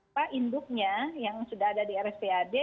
apa induknya yang sudah ada di rskad